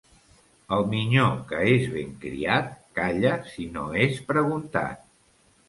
El minyó que és ben criat, calla si no és preguntat.